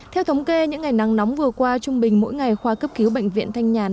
theo thống kê những ngày nắng nóng vừa qua trung bình mỗi ngày khoa cấp cứu bệnh viện thanh nhàn